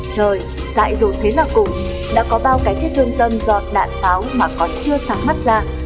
trời dại dột thế là cùng đã có bao cái chiếc thương tâm giọt đạn pháo mà còn chưa sáng mắt ra